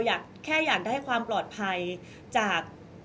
ก็ต้องฝากพี่สื่อมวลชนในการติดตามเนี่ยแหละค่ะ